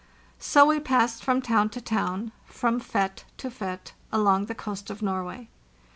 So we passed from town to town, from fete to fete, along the coast of Norway.